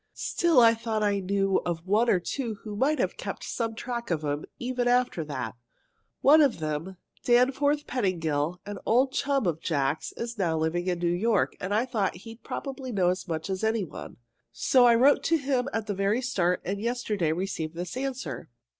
Still, I thought I knew of one or two who might have kept some track of him even after that. One of them, Danforth Pettingill, an old chum of Jack's, is now living in New York, and I thought he'd probably know as much as any one. So I wrote him at the very start, and yesterday received this answer.